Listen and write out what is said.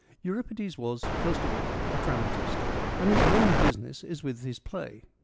Euripides was, first of all, a dramatist, and his main business is with his play.